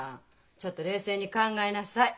ちょっと冷静に考えなさい。